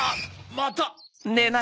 また！